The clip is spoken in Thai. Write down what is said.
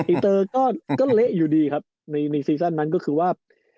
อินเตอร์ก็เละอยู่ดีครับในซีซั่นนั้นก็คือว่า